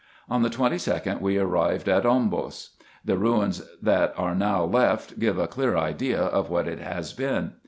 On the 22d we arrived at Ombos. The ruins that are now left give a clear idea of what it has been.